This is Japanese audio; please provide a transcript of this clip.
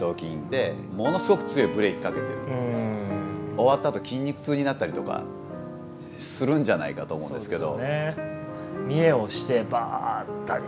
終わったあと筋肉痛になったりとかするんじゃないかと思うんですけど。